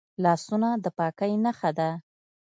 لاسونه د پاکۍ نښه ده